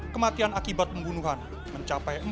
kematian akibat pembunuhan mencapai empat puluh delapan kasus